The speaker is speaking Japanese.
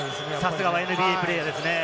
さすがのＮＢＡプレーヤーです。